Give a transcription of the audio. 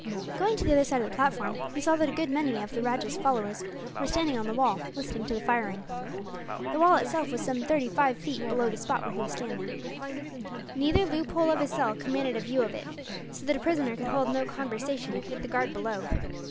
Going to the other side of the platform, he saw that a good many of the rajah's followers were standing on the wall, listening to the firing. The wall itself was some thirty five feet below the spot where he was standing; neither loophole of his cell commanded a view of it, so that a prisoner could hold no conversation with the guard below.